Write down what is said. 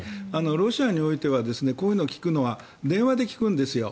ロシアにおいてはこういうのを聞くのは電話で聞くんですよ。